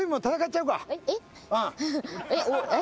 えっ？